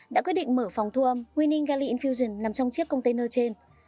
đã quyết định mở phòng thu âm winning galley infusion nằm trong chiếc container trên